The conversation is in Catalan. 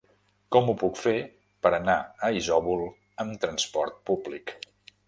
Com ho puc fer per anar a Isòvol amb trasport públic?